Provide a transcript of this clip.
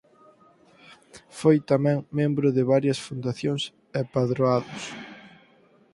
Foi tamén membro de varias fundacións e padroados.